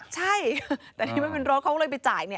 ใช่แต่ที่มันเป็นรถเขาก็เลยไปจ่ายเนี่ย